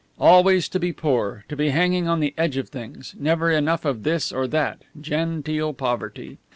Always to be poor, to be hanging on the edge of things, never enough of this or that genteel poverty.